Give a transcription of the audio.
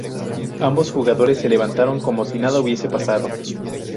Ambos jugadores, se levantaron como si nada hubiese pasado.